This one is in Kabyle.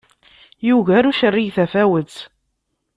Yugar ucerrig tafawet.